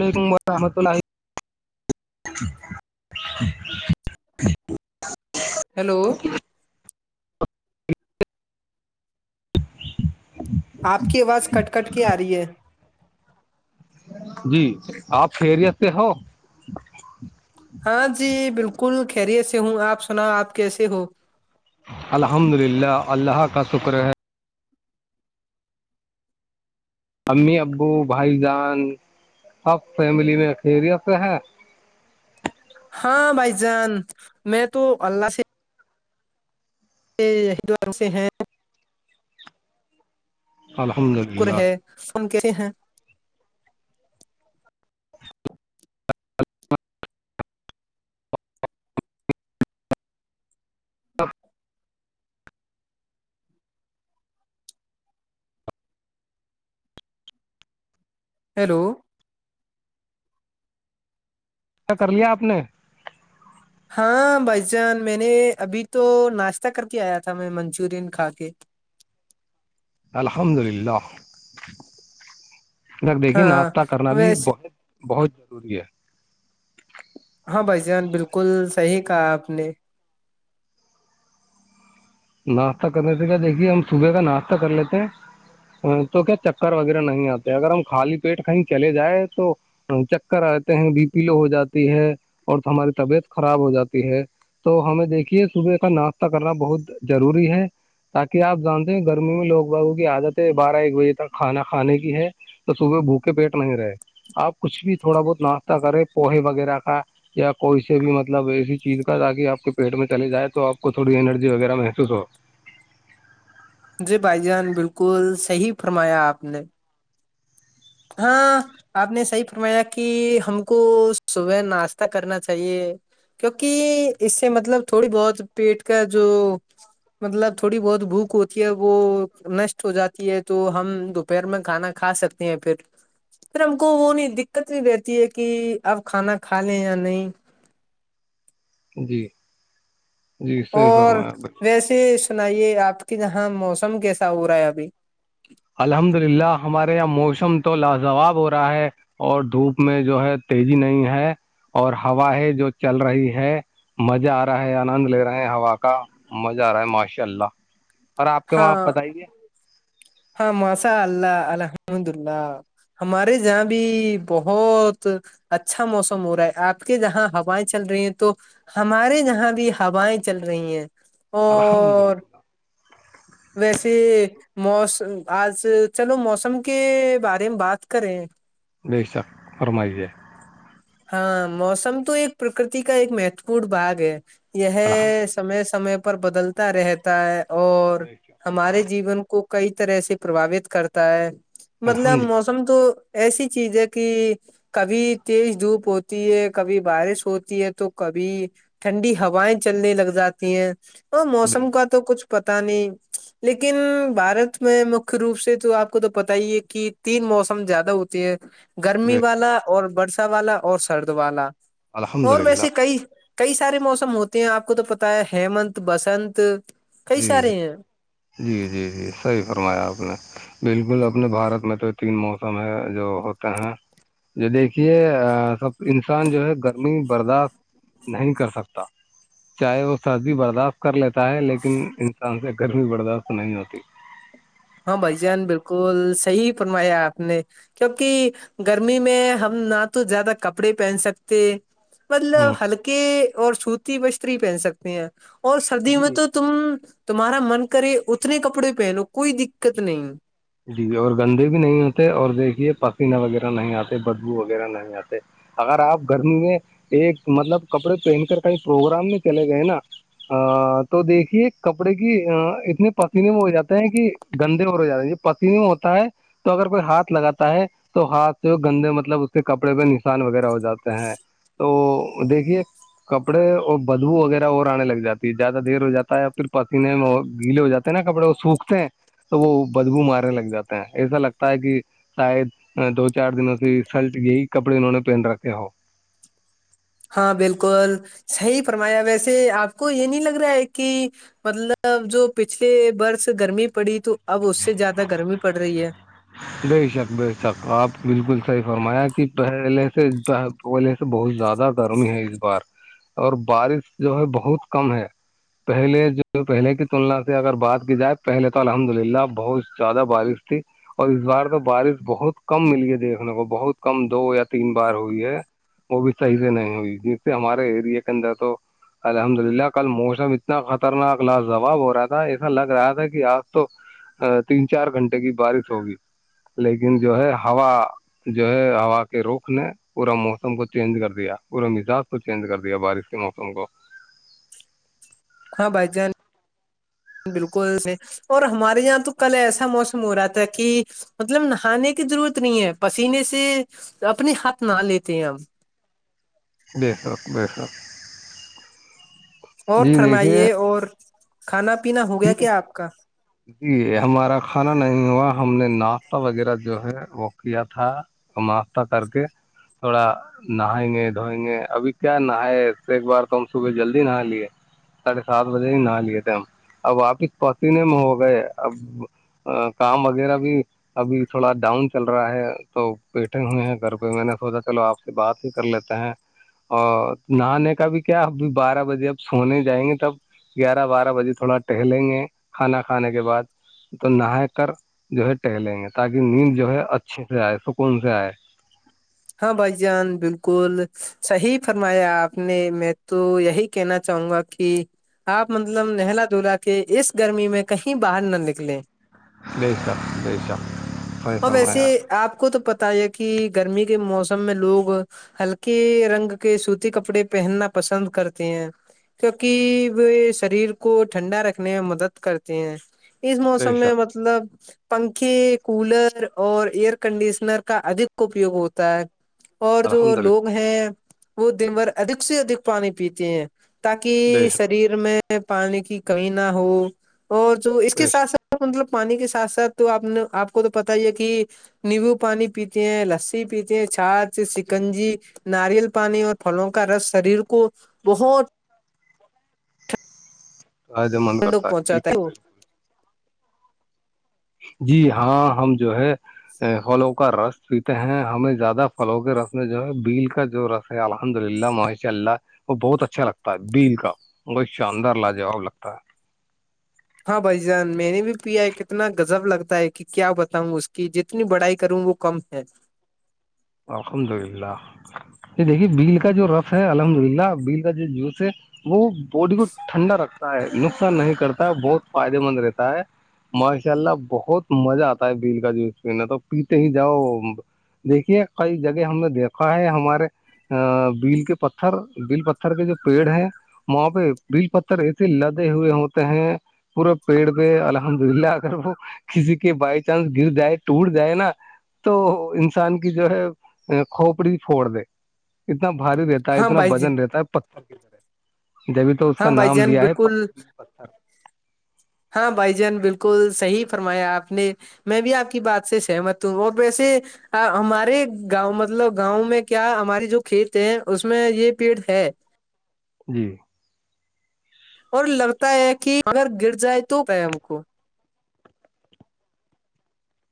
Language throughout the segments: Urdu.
لیکن م آم تو نہی [unintelligible] ہیلو آپ کی آواز کٹ کٹ کے آ رہی ہے جی آپ خیریت سے ہو ہاں جی بالکل خیریت سے ہوں آپ سنا آپ کیسے ہو الحمد للہ اللہ کا شکر ہے امی ابو بھائی جان سب فیملی میں خیریت سے ہیں ہاں بھائی جان میں تو اللہ سے یہ ہد رگ سے ہیں [unintelligible] الحمد للہ شکر ہے سن کی ہیں ہیلو اچھا کر لیا آپ نے ہاں بھائی جان میں نے ابھی تو ناشتہ کر کے آیا تھا میں منچورین کھا کے الحمد للہ ا دیکھیے ہاں ناشتہ کرنا بھی ویسے بہت بہت ضروری ہے ہاں بھائی جان بالکل صحیح کہا آپ نے ناشتہ کرنے تھ کیا دیکھیے ہم صبح کا ناشتہ کر لیتے ہیں تو کیا چکر وغیرہ نہیں آتے اگر ہم خالی پیٹ کہیں چلے جائیں تو چکر آتے ہیں بی پی لو ہو جاتی ہے اور ہماری طبیعت خراب ہو جاتی ہے تو ہمیں دیکھیے صبح کا ناشتہ کرنا بہت ضروری ہے تاکہ آپ جانتے ہیں گرمی میں لوگ باابو کی عادتیں بارہ ایک بجے تک کھانا کھانے کی ہے تو صبح بھوکے پیٹ نہیں رہے آپ کچھ بھی تھوڑا بہت ناشتہ کرے پوہے وغیرہ کا یا کوئی سے بھی مطلب ایسی چیز کا تاکہ آپ کے پیٹ میں چل جائے تو آپ کو تھوڑی انرجی وغیرہ میں [unintelligible] س سو [unintelligible] جی بھائی جان بالکل صحیح فرمایا آپ نے ہاں آپ نے صحیح فرمایا کہ ہم کو صبح ناشتہ کرنا چاہیے کیونکہ اس سے مطلب تھوڑی بہت پیٹ کا جو مطلب تھوڑی بہت بھوک ہوتی ہے وہ نشٹ ہو جاتی ہے تو ہم دوپہر میں کھانا کھا سکتے ہیں پھر پ ہم کو وہ نہیں دقت نہیں رہتی ہے کہ اپ کھانا کھا لیں یا نہیں جی جی صحیح اور فرمایا آپ نے۔ ویسے سنائیے آپ کے جاں موسم کیسا ہو رہا ہے ابھی الحمد للہ ہمارے یہاں موسم تو لاجواب ہو رہا ہے اور دھوپ میں جو ہے تیزی نہیں ہے اور ہوایں جو چل رہی ہے مزہ آ رہا ہے آنند لے رہے ہیں ہوا کا مزہ آ رہا ہے ماشاء اللہ اور آپ کے وہاں ہاں بتائیے ہاں مسا اللہ الحمد اللہ ہمارے جہاں بھی بہت اچھا موسم ہو رہا ہے آپ کے جہاں ہوائیں چل رہی ہیں تو ہمارے یہاں بھی ہوائیں چل رہی ہیں الحمد اور للہ بسی مس آج چلو موسم کے بارے میں بات کریں نہیں سب فمائی ہے ہاں موسم تو ایک پرکرتی کا ایک مہتوپورن باگ ہے الحمد یہ للہ سمے سمے پر بدلتا رہتا ہے اور بے شک، ہمارے جیون کو کئی طرح سے پرباوت کرتا ہے مطلب الحمد للہ موم تو ایسی چیز ہے کہ کبھی تی دھوپ ہوتی ہے کبھی بارش ہوتی ہے تو کبھی ٹھنڈی ہوائیں چلنے لگ جاتی ہیں اور بے موسم کا شک، تو کچھ پتا نہیں لیکن بھارت میں مکھی روپ سے تو آپ کو تو پتا ہی ہے کہ تین موسم زیادہ ہوتی ہے گرمی بے شک، والا اور برسا والا اور سرد والا الحمد اور للہ ویسے کئی کئی سارے موسم ہوتے ہیں آپ کو تو پتا ہے ہیمنت بسنت کئی جی سارے جی ہیں جی جی جی صحیح فرمایا آپ نے بالکل اپنے بھارت میں تو تین موسم ہے جو ہوتے ہیں جو دیکھیے سب انسان جو ہے گرمی برداشت نہیں کر سکتا چاہے وہ سردی برداشت کر لیتا ہے لیکن لیکن انسان سے گرمی برداشت نہیں ہوتی ہاں بھائی جان بالکل صحی فرمایا آپ نے کیونکہ گرمی میں ہم نہ تو زیادہ کپڑے پہن سکتے ہ مطلب ہلکے اور سوتی بشری پہن سکتے ہیں اور سردی میں جی تو تم تمہارا من کرے اتنے کپڑے پہنو کوئی دقت نہیں جی اور گندے بھی نہیں ہوتے اور دیکھیے پفینہ وغیرہ نہیں آتے بدبو وغیرہ نہیں آتے اگر آپ گرمی میں ایک مطلب کپڑے پہن کر کہئی پروگرام میں چلے گئے نا ا تو دیکھیے کپڑے کی اتنے پسینے میں ہو جاتے ہیں کہ گندے اور ہو جاتے ہیں ج پتین ہوتا ہے تو اگر کوئی ہاتھ لگاتا ہے تو ہاتھ سے گندے مطلب اس کے کپڑے پہ نشان وغیرہ ہو جاتے ہیں تو دیکھیے کپڑے اور بدبو وغیرہ اور آنے لگ جاتی ہے زیادہ دیر ہو جات ہےیا پھر پسینے میں گیلے ہو جاتے نا کپڑے وہ سوکھتے ہیں تو وہ بدبو مارنے لگ جاتے ہیں ایسا لگتا ہے کہ شاید دو چار دنوں سے سلٹ یہئی کپڑے انہوں نے پہن رکھے ہو ہاں بالکل صحی فرمایا ویسے آپ کو یہ نہیں لگ رہا ہے کہ مطلب جو پچھلے برس گرمی پڑی تو اب اس سے زیادہ گرمی پڑ رہی ہے بے شک بے شک آپ بالکل صحیح فرمایا کہ پہلے سے پلے سے بہت زیادہ گرمی ہے اس بار اور بارش جو ہے بہت کم ہے پہلے جو پہلے کی تلنا سے اگر بات کی جائے پہلے تو الحمد للہ بہت زیادہ بارش تھی اور اس بار تو بارش بہت کم ملی ہے دیکھنے کو بہت کم دو یا تین بار ہوئی ہے وہ بھی صحیح سے نہیں ہوئی جس سے ہمارے اییریا کے اندر تو الحمد للہ کل موسم اتنا خطرناک لاجواب ہو رہا تھا ایسا لگ رہا تھا کہ آج تو ا تین چار گھنٹے کی بارش ہوگی لیکن جو ہے ہوا جو ہے ہوا کے روخ نے پورا موسم کو چینج کر دیا پورے مزاج چینج کر دیا بارش کے موسم کو دکھاں بائی جان بالکل سے [unintelligible] اور ہمارے یہاں تو کل ایسا موسم ہو رہا تھا کہ مطلب نہانے کی ضرورت نہیں ہے پسینے سے اپنے ہاتھ نہ لیتے ہیں ہم جے حک بے حک [unintelligible] اور فرمائیے اور کھانا پینا ہو گیا جی کیا آپ کا جی ہمارا کھانا نہیں ہوا ہم نے ناشتہ وغیرہ جو ہے وہ کیا تھا تو ہفتہ تر کے تھوڑا [unintelligible] نہائیں گے دھوئیں گے ابھی کیا نہائےس ایک بار تو ہم صبح جلدی نہا لیے ساڑھے سات بجے ہی نہا لیے تھے ہم اب واپس پسینے میں ہو گئے اب کام وغیرہ بھی ابھی تھوڑا ڈاؤن چل رہا ہے تو بیٹھے ہوئے ہیں گھر پہ میں نے سوچا چلو آپ سے بات ہی کر لیتے ہیں اور نہانے کا بھی کیا ابھی بارہ بجے اب سونے جائیں گے تب گیارہ بارہ بجے تھوڑا ٹہلیں گے کھانا کھانے کے بعد تو نہا کر جو ہے ٹہلیں گے تاکہ نیند جو ہے اچھے سے آئے سکون سے آئے ہاں بھائی جان بالکل صحیح فرمایا آپ نے میں تو یہی کہنا چاہوں گا کہ آپ مطلب نہلا دھلا کے اس گرمی میں کہیں باہر نہ نکلیں بے شک بے شک صحیح اور ویسے فرمایا آپ کو تو پتا ہے کہ گرمی کا کے موسم میں لوگ ہلکے رنگ کے سوتی کپڑے پہننا پسند کرتے ہیں کیونکہ وہ شریر کو ٹھنڈا رکھنے میں مدد کرتے ہیں اس بے موسم میں مطب شک مطلب پنکھے کولر اور ایئر کنڈیشنر کا ادھ اپیوگ ہوتا تا ہے اور جو الحمد للہ لوگ ہیں وہ دن بھر ادھک سے ادھک پانی پیتے ہیں تاکہ بے شک شریر میں پانی کی کمی نہ ہو اور جو اس کے بے شک ساتھ ساتھ مطلب پانی کے ساتھ ساتھ تو آپ نے آپ کو تو پتا ہی ہے کہ نیبو پانی پیتی ہیں لسی پیتی چھات سکنجی ناریل پانی اور پھلوں کا رس شریر کو بہت تو ج مند کرتا ٹھنڈک ہے پہنچاتا بالکل [unintelligible] جی ہاں ہم جو ہے پھلوں کا رس پیتے ہیں ہمیں زیادہ پھلوں کے رس میں جو ہے بیل کا جو رس الحمد للہ مش اللہ وہ بہت اچھا لگتا ہے بیل کا [unintelligible] وہ شاندار لاجاب لگتا ہے ہاں بھ جان میں نے بھی پیا کتنا گذب لگتا ہے کہ [unintelligible] کیا بتاؤں اس کی جتنی بڑائی کروں وہ کم ہے الحمد للہ یہ دیکھیے بیل کا جو رف ہے الحمد للہ بیل کا جوس ہے وہ باڈی کو ٹھنڈا رکھتا ہے نقصان نہیں کرتا ہے بہت فائدے مند رہتا ہے ماشاء اللہ بہت مزہ آتا ہے بیل کا جوس پینے تو پیتے ہی جاؤ دیکھیے کئی جگہ ہم نے دیکھا ہے ہمارے ا بیل کے پتھر بل پتھر کے جو پیڑ ہیں وہاں پہ بل پتھر ایسے لدے ہوئے ہوتے ہیں پورے پیڑ پہ الحمد للہ اگر وہ کسی کے بائی چانس گر جائے ٹوٹ جائے نا تو انسان کی جو ہے کھوپڑی پھوڑ دے اتنا بھاری رہتا ہے ہاں اتنا بھائی وزن ج رہتا ہے پتھر کی طرح جبھی تو اس ہاں کا بھائی نام جان دیا ہے بالکل پھر ہاں بھائی جان بالکل صحیح فرمایا آپ نے میں بھی آپ کی بات سے سہمت ہوں اور ویسے ہمارے گاؤں مطلب گاؤں میں کیا ہماری جو کھیت ہے اس میں یہ پیڑ ہے جی اور لگتا ہے کہ اگر گر جائے تو ہم کو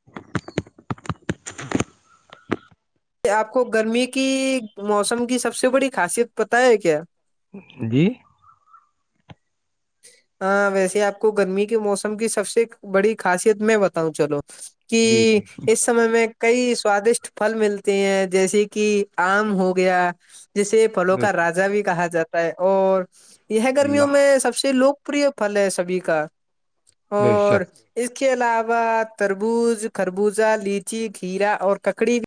[unintelligible] [inaudible] آپ کو گرمی کی موسم کی سب سے بڑی خاصیت پت ہے کیا جی ہاں ویسے آپ کو گرمی کے موسم کی سب سے بڑی خاصیت میں بتاؤں چلو کہ جی جی اس سمے میں کئی سوادشٹ پھل ملتے ہیں جیسے کہ بے آم شک ہو گیا جسے پلوں بے کا شک راجا بھی کہا جاتا ہے اور یہ گرمیوں للہ میں سب سے لوک پہ پھل ہے سبھی کا بے اور شک اس کے علاوہ تربوز خربوزہ لیچی گھیرا اور ککڑی بھی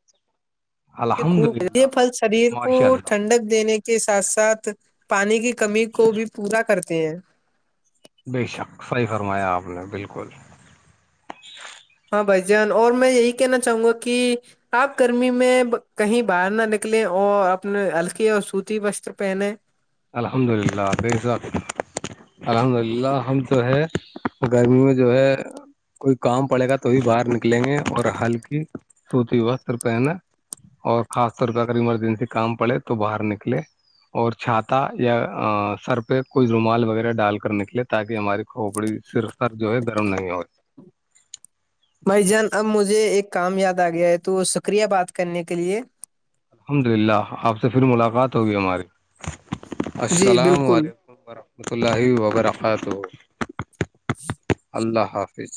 الحمد خوب یہ للہ پھل شریر کو ماشاء اللہ ٹھنڈک دینے کے کے ساتھ ساتھ پانی کی کمی کو بھی پورا کرتے ہیں بے شک صحیح فرمایا آپ نے بالکل ہاں بھ جان اور میں یہی کہنا چاہوں گا کہ آپ گرمی میں کہیں باہر نہ نکلیں اور اپنے ہلکی اور سوتی وستر پہنیں الحمد للہ بزات الحمد للہ ہم جو ہے گرمی میں جو ہے کوئی کام پڑے گا تو بھی باہر نکلیں گے اور ہلکی سوتی ہوا سر پہ نا اور خاص طور پہ اگر ایمرجنسی کام پڑے تو باہر نکلے اور چھات یا سر پہ کوئی رومال وغیرہ ڈال کر نکلے تاکہ ہماری کھوپڑی صرف خر جو ہوئے گرم نہیں ہوئے بھائی جان اب مجھے ایک کام یاد آ گیا ہے تو شکریہ بات کرنے کے لیے الحمد للہ آپ سے پھر ملاقات ہوگی ہماری جی السلام بالکل علیکم و رحمۃ اللہ وبرکہ جی اللہ حافظ